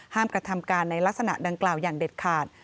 กระทำการในลักษณะดังกล่าวอย่างเด็ดขาด